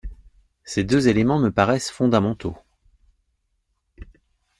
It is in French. Ces deux éléments me paraissent fondamentaux.